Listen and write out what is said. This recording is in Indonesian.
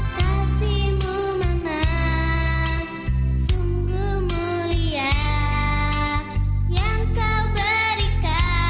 kau biar aku mama yang baik